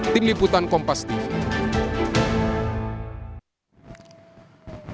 tim liputan kompas timur